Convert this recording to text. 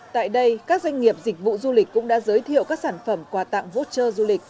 tại đây các doanh nghiệp dịch vụ du lịch cũng đã giới thiệu các sản phẩm quà tặng voucher du lịch